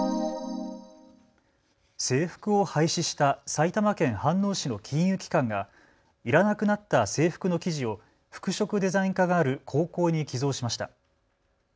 制服を廃止した埼玉県飯能市の金融機関がいらなくなった制服の生地を服飾デザイン科がある高校に寄贈しました。